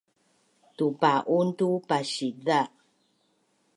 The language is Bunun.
tupa’un tu pasiza’